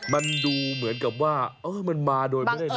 มันดูเหมือนกับว่าเออมันมาโดยไม่ได้นักหมาย